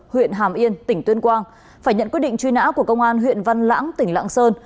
huyện hàm yên tỉnh tuyên quang phải nhận quyết định truy nã của công an huyện văn lãng tỉnh lạng sơn